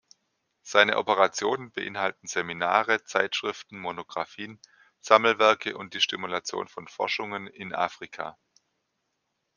Seine Operationen beinhalten Seminare, Zeitschriften, Monographien, Sammelwerke und die Stimulation von Forschungen in Afrika.